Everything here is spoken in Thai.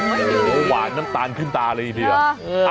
อุ๊ยโหหวานน้ำตาลขึ้นตาเลยนี่พี่อะ